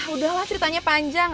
udah lah ceritanya panjang